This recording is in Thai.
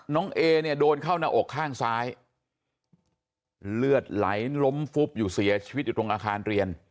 เอเนี่ยโดนเข้าหน้าอกข้างซ้ายเลือดไหลล้มฟุบอยู่เสียชีวิตอยู่ตรงอาคารเรียน